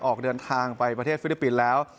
ออกเดินทางไปประเทศฟิลิปปินส์แล้ว